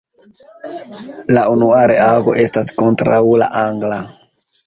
La unua reago estas kontraŭ la angla.